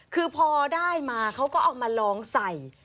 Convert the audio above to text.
คือพอได้มาเขาก็เอามาลองใส่